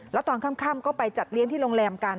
แล้วตอนค่ำก็ไปจัดเลี้ยงที่โรงแรมกัน